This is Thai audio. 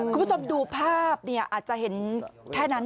คุณผู้ชมดูภาพอาจจะเห็นแค่นั้น